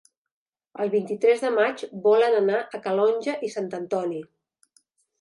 El vint-i-tres de maig volen anar a Calonge i Sant Antoni.